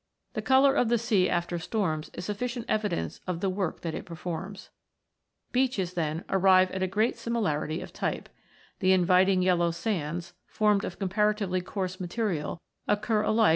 The colour of the sea after storms is sufficient evidence of the work that it performs. Beaches, then, arrive at Ill] THE SANDSTONES 59 a great similarity of type. The inviting yellow sands, formed of comparatively coarse material, occur alike Fig.